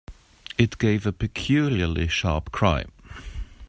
It gave a peculiarly sharp cry.